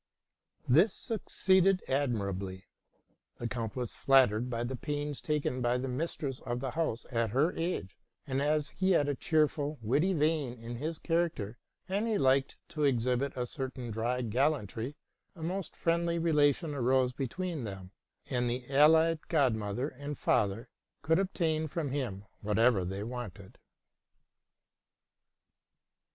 This succeeded admirably. The count was flattered by the pains taken by the mistress of the house at her age: and as he had a cheerful, witty vein in his charac ter, and he liked to exhibit a certain dry gallantry, a most friendly relation arose between them; and the allied god mother and father could obtain from him whatever they wanted.